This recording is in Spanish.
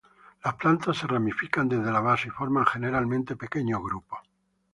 Las plantas se ramifican desde la base y forman generalmente pequeños grupos.